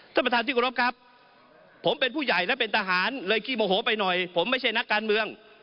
ท่านประธานที่กรบครับผมเป็นผู้ใหญ่และเป็นทหารเลยขี้โมโหไปหน่อยผมไม่ใช่นักการเมือง